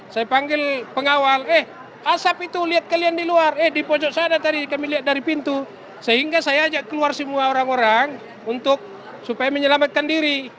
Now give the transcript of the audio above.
saya panggil pengawal eh asap itu lihat kalian di luar eh di pojok sana tadi kami lihat dari pintu sehingga saya ajak keluar semua orang orang untuk supaya menyelamatkan diri